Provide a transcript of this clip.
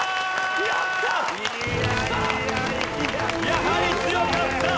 やはり強かった。